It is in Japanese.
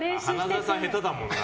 花澤さん下手だもんな。